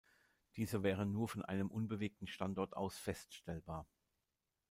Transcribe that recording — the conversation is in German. Dieser wäre nur von einem unbewegten Standort aus feststellbar.